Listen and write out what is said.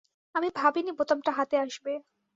আমি ভাবিনি বোতামটা হাতে আসবে।